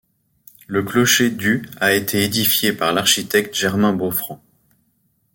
Le clocher du a été édifié par l'architecte Germain Boffrand.